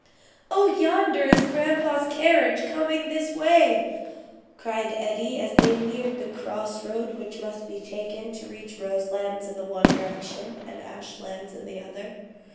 "Oh, yonder is grandpa's carriage coming this way!" cried Eddie as they neared the cross road which must be taken to reach Roselands in the one direction, and Ashlands in the other.